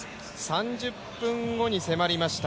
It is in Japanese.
３０分後に迫りました